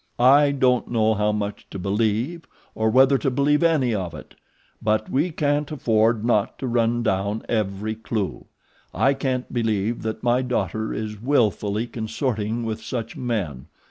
I don't know how much to believe, or whether to believe any of it; but we can't afford not to run down every clew. I can't believe that my daughter is wilfully consorting with such men.